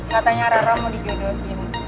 katanya rara mau dijodohin